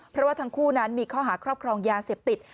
เพราะว่าทั้งคู่นั้นมีข้อหาครอบครองยาเสพติด